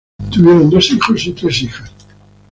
Tuvieron dos hijos y tres hijas.